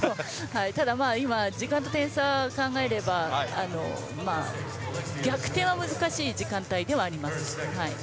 ただ、時間と点差を考えれば逆転は難しい時間帯ではあります。